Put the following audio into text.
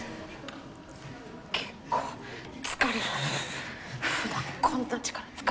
結構疲れるわね。